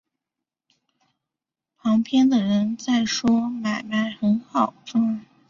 旁边的人在说买卖很好赚